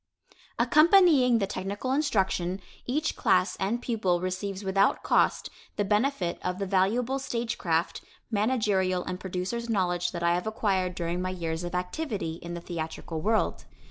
Accompanying the technical instruction, each class and pupil receives without cost the benefit of the valuable stage craft, managerial and producer's knowledge that I have acquired during my years of activity in the theatrical world.